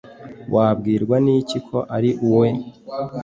wabwirwa n'iki ko ari uwe